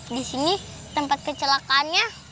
di sini tempat kecelakaannya